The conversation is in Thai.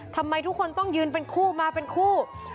ทำไมทุกคนต้องยืนเป็นคู่มาเป็นคู่